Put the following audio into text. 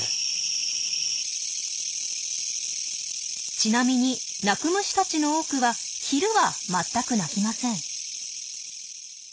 ちなみに鳴く虫たちの多くは昼は全く鳴きません。